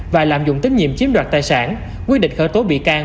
và lạm dụng tín nhiệm chiếm đoạt tài sản quyết định khởi tố bị can